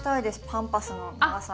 パンパスの長さ。